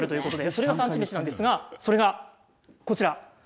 それが産地めしなんですがそれがこちら。